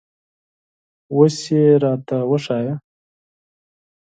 اوس یې ته را ته وښیه